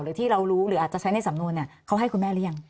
หรือที่เรารู้หรืออาจจะใช้ในสำนวนเขาให้คุณแม่หรือยัง